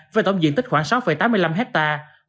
với tổng diện tích khoảng sáu tám mươi năm hectare